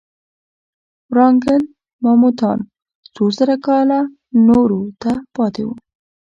ورانګل ماموتان څو زره کاله نورو ته پاتې وو.